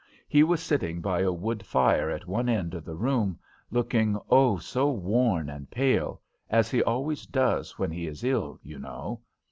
He was sitting by a wood fire at one end of the room, looking, oh, so worn and pale! as he always does when he is ill, you know.